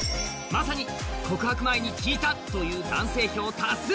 まさに告白前に聴いたという男性票多数。